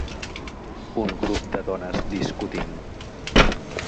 Un grup de dones discutint.